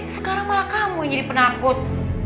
sekarang malah kamu yang jadi penakut